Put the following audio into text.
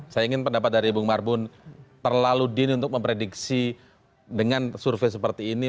saya ingin pendapat dari bung marbun terlalu dini untuk memprediksi dengan survei seperti ini